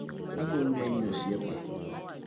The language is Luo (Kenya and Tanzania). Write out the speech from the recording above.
Agombi ahinya osiepa